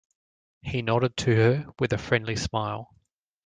He nodded to her with a friendly smile.